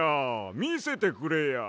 みせてくれや。